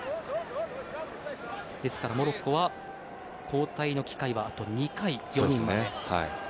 ですから、モロッコは交代の機会はあと２回。